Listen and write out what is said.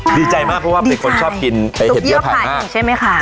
ดีใจมากเพราะว่าคนชอบกินเห็ดเยี่ยมไผ่มาก